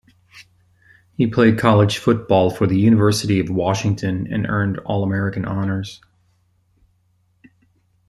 He played college football for the University of Washington, and earned All-American honors.